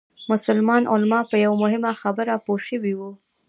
مسلمان علما په یوه مهمه خبره پوه شوي وو.